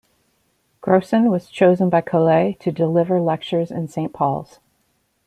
Grocyn was chosen by Colet to deliver lectures in Saint Paul's.